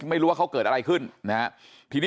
ทำให้สัมภาษณ์อะไรต่างนานไปออกรายการเยอะแยะไปหมด